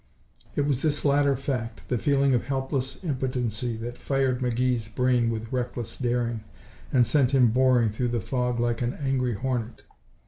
It was this latter fact, the feeling of helpless impotency, that fired McGee's brain with reckless daring and sent him boring through the fog like an angry hornet.